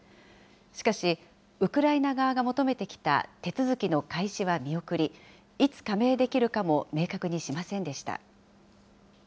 しかし、ウクライナ側が求めてきた手続きの開始は見送り、いつ加盟できるかも明確にしませんでした。